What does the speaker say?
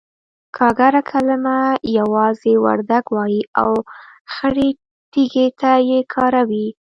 گاگره کلمه يوازې وردگ وايي او خړې تيږې ته يې کاروي.